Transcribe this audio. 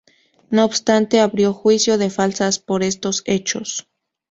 No obstante, abrió juicio de faltas por estos hechos.